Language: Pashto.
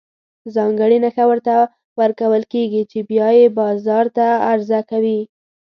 ځانګړې نښه ورته ورکول کېږي چې بیا یې بازار ته عرضه کوي.